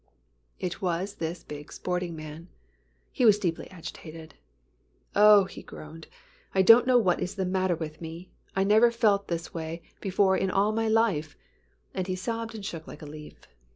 It was this big sporting man. He was deeply agitated. "Oh," he groaned, "I don't know what is the matter with me. I never felt this way before in all my life," and he sobbed and shook like a leaf.